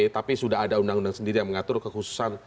tapi sudah ada undang undang sendiri yang mengatur kekhususan